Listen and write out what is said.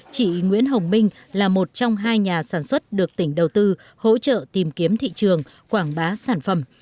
chị nguyễn hồng minh là một trong hai nhà sản xuất được tỉnh đầu tư hỗ trợ tìm kiếm thị trường quảng bá sản phẩm